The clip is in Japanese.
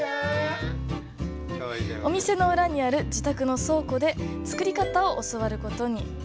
お店の裏にある自宅の倉庫で作り方を教わることに。